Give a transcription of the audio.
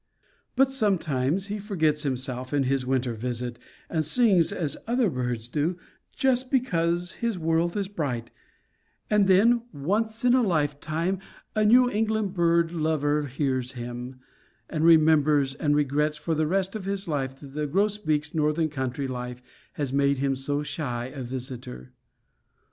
But sometimes he forgets himself in his winter visit, and sings as other birds do, just because his world is bright; and then, once in a lifetime, a New England bird lover hears him, and remembers; and regrets for the rest of his life that the grosbeak's northern country life has made him so shy a visitor.